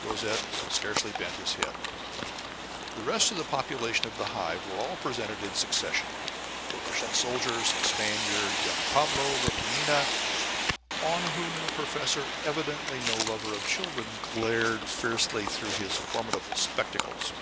Rosette scarcely bent his head. The rest of the population of the Hive were all presented in succession: the Russian sailors, the Spaniards, young Pablo, and little Nina, on whom the professor, evidently no lover of children, glared fiercely through his formidable spectacles.